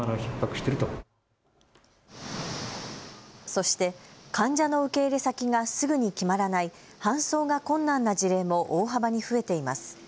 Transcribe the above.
そして患者の受け入れ先がすぐに決まらない搬送が困難な事例も大幅に増えています。